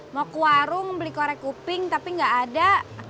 mau ke warung beli korek kuping tapi gak ada